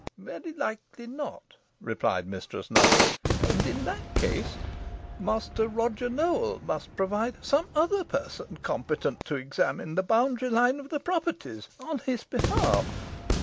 "Very likely not," replied Mistress Nutter, "and in that case Master Roger Nowell must provide some other person competent to examine the boundary line of the properties on his behalf."